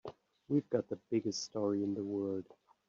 We've got the biggest story in the world.